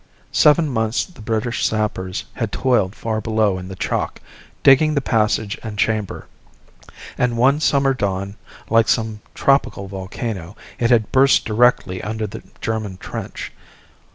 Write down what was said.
Seven months the British sappers had toiled far below in the chalk, digging the passage and chamber; and one summer dawn, like some tropical volcano, it had burst directly under the German trench.